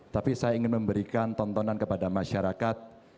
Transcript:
tapi saya ingin memberikan tontonan kepada masyarakat